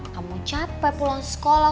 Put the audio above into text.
kamu capek pulang sekolah